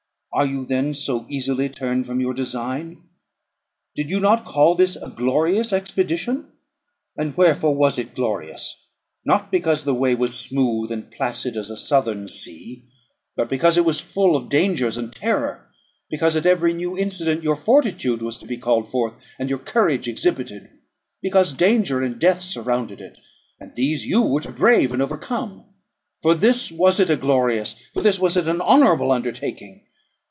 Are you then so easily turned from your design? Did you not call this a glorious expedition? And wherefore was it glorious? Not because the way was smooth and placid as a southern sea, but because it was full of dangers and terror; because, at every new incident, your fortitude was to be called forth, and your courage exhibited; because danger and death surrounded it, and these you were to brave and overcome. For this was it a glorious, for this was it an honourable undertaking.